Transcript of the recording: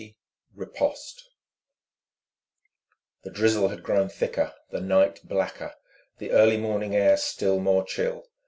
XX RIPOSTE The drizzle had grown thicker, the night blacker, the early morning air still more chill.